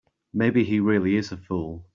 Maybe he really is a fool.